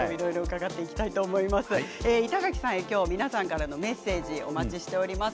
板垣さんへ皆さんからのメッセージお待ちしています。